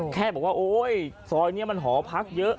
แค่บอกว่าโอ๊ยซอยนี้มันหอพักเยอะ